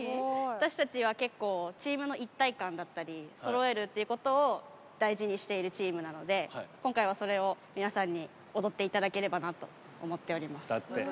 私たちは結構、チームの一体感だったり、そろえるってことを大事にしているチームなので、今回はそれを、皆さんに踊っていただければなと思っております。